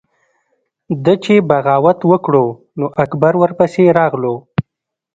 ده چې بغاوت وکړو نو اکبر ورپسې راغلو۔